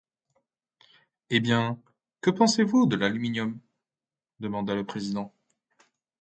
Eh bien! que pensez-vous de l’aluminium? demanda le président.